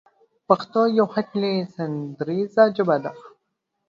پښتو يوه ښکلې سندريزه ژبه ده